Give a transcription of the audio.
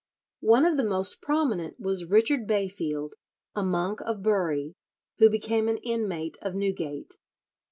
One of the most prominent was Richard Bayfield, a monk of Bury, who became an inmate of Newgate.